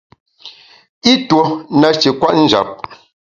I tuo nashi kwet njap.